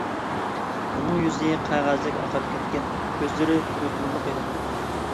ئۇنىڭ يۈزى قەغەزدەك ئاقىرىپ كەتكەن، كۆزلىرى يۇقۇملۇق ئىدى.